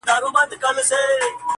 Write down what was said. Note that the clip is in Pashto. جواب يې راکړ د خپلوۍ خبره ورانه سوله,